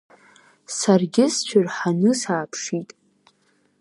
Саргьы сцәырҳаны сааԥшит.